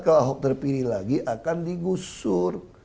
kalau ahok terpilih lagi akan digusur